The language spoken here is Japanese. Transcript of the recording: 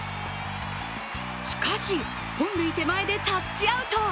しかし本塁手前でタッチアウト。